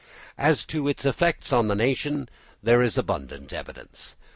As to its effect upon the nation, there is abundant evidence.